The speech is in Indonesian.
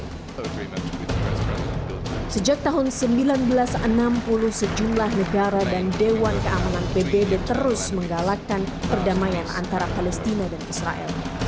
sejak tahun seribu sembilan ratus enam puluh sejumlah negara dan dewan keamanan pbb terus menggalakkan perdamaian antara palestina dan israel